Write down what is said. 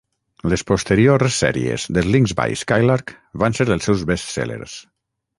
Les posteriors sèries de Slingsby Skylark van ser els seus best sellers.